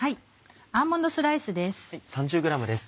アーモンドスライスです。